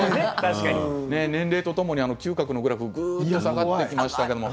年齢とともに嗅覚のグラフがぐっと下がってきました。